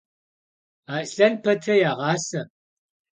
Аслъэн пэтрэ ягъасэ.